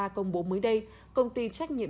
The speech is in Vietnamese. hai nghìn hai mươi ba công bố mới đây công ty trách nhiệm